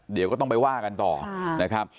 เดี๋ยวก็ต้องไปว่ากันต่อนะครับ